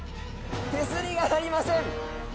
手すりがありません。